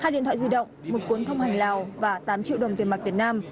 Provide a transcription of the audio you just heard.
hai điện thoại di động một cuốn thông hành lào và tám triệu đồng tiền mặt việt nam